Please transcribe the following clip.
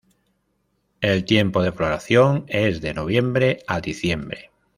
El tiempo de floración es de noviembre a diciembre.